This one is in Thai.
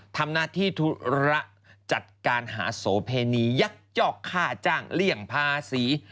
ทำหน้าที่ธุระจัดการหาโสเพณียักยอกค่าจ้างเลี่ยงภาษี